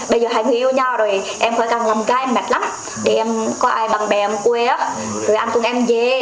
bây giờ hai người yêu nhau rồi em phải càng làm gái mệt lắm để em có ai bạn bè em quê á rồi em cùng em về